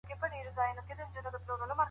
سياسي خپلواکي د يو ملت تر ټولو ستره شتمني ده.